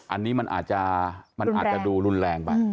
อันนี้มันอาจจะดูรุนแรงไป